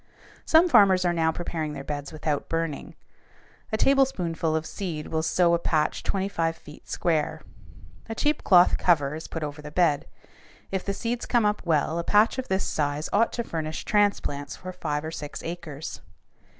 Some farmers are now preparing their beds without burning. A tablespoonful of seed will sow a patch twenty five feet square. A cheap cloth cover is put over the bed. If the seeds come up well, a patch of this size ought to furnish transplants for five or six acres.